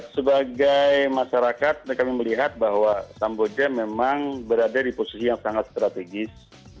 sebagai masyarakat kami melihat bahwa samboja memang berada di posisi yang sangat strategis